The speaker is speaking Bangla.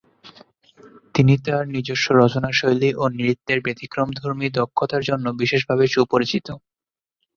তিনি তার নিজস্ব রচনাশৈলী ও নৃত্যের ব্যতিক্রমধর্মী দক্ষতার জন্য বিশেষভাবে সুপরিচিত।